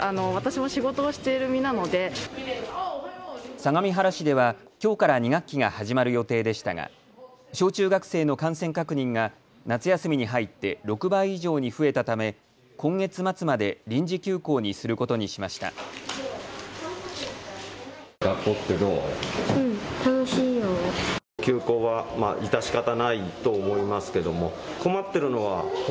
相模原市ではきょうから２学期が始まる予定でしたが小中学生の感染確認が夏休みに入って６倍以上に増えたため今月末まで臨時休校にすることにしました。